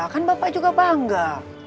kan bapak juga bangga